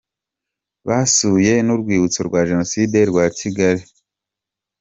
Basuye n’Urwibutso rwa Jenoside rwa Kigali